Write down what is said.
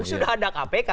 sudah ada kpk